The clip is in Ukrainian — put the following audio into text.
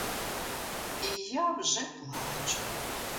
І я вже плачу.